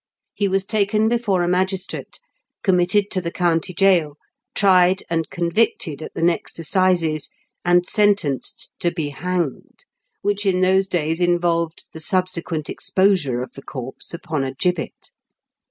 He was taken before a magis trate, committed to the county gaol, tried and convicted at the next assizes, and sentenced to be hanged, which in those days involved the subsequent exposure of the corpse upon a gibbet.